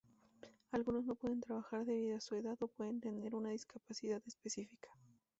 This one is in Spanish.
Algunos no pueden trabajar debido a su edad o pueden tener una discapacidad específica.